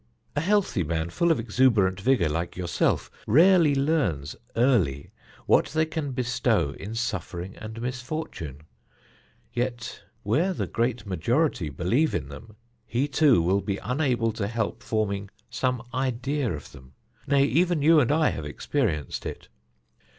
A healthy man, full of exuberant vigour like yourself, rarely learns early what they can bestow in suffering and misfortune; yet where the great majority believe in them, he, too, will be unable to help forming some idea of them; nay, even you and I have experienced it.